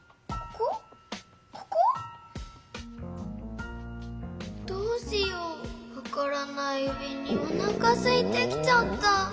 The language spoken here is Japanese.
こころのこえどうしようわからない上におなかすいてきちゃった。